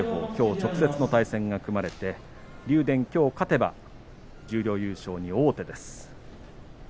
直接の対戦が組まれてきょう竜電が勝てば十両優勝に王手です。